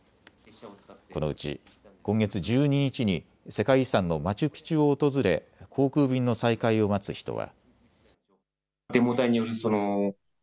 このうち今月１２日に世界遺産のマチュピチュを訪れ航空便の再開を待つ人は。